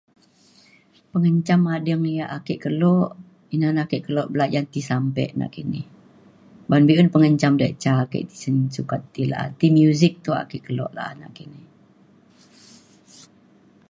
pengenjam ading yak ake kelo ina na ake kelo belajan ti sampe nakini. ban be’un pengenjam diak ca ke tisen sukat ti la’a. ti muzik tuak ake kelo la’a nakini.